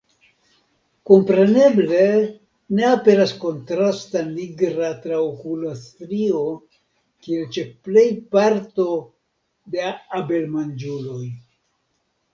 Kompreneble ne aperas kontrasta nigra traokula strio, kiel ĉe plej parto de abelmanĝuloj.